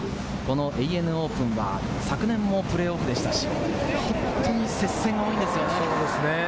ＡＮＡオープンは昨年もプレーオフでしたし、本当に接戦が多いんですよね。